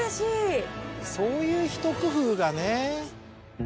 そういうひと工夫がね。